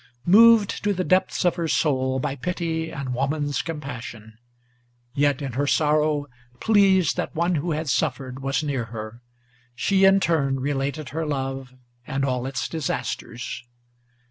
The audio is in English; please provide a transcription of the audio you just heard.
Moved to the depths of her soul by pity and woman's compassion, Yet in her sorrow pleased that one who had suffered was near her, She in turn related her love and all its disasters.